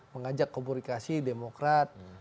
mengajak komunikasi demokrat